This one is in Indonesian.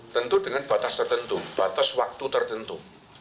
tentu dengan batas tertentu batas waktu tertentu